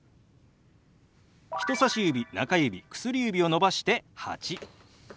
人さし指中指薬指を伸ばして「８」。